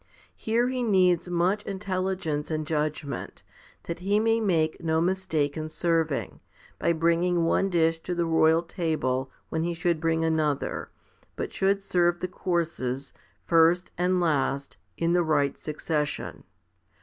Here he needs much intelli gence and judgment, that he may make no mistake in serving, by bringing one dish to the royal table when he should bring another, but should serve the courses, first and last, in the right succession.